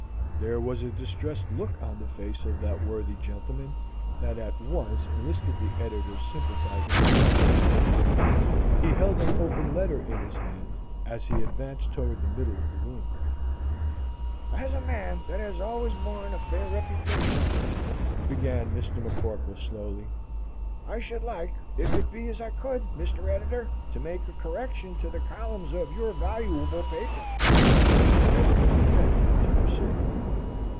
There was a distressed look on the face of that worthy gentleman that at once enlisted the editor's sympathizing attention. He held an open letter in his hand, as he advanced toward the middle of the room. "As a man as has allers borne a fair reputation," began Mr. McCorkle slowly, "I should like, if so be as I could, Mister Editor, to make a correction in the columns of your valooable paper." Mr. Editor begged him to proceed.